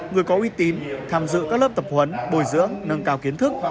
người có uy tín tham dự các lớp tập huấn bồi dưỡng nâng cao kiến thức